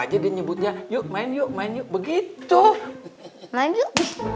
aja dia nyebutnya yuk main yuk main yuk begitu lanjut